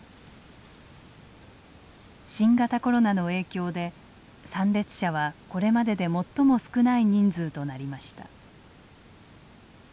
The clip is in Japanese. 新型コロナの影響で参列者はこれまでで最も少ない人数となりました。